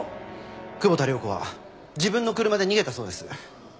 久保田涼子は自分の車で逃げたそうです。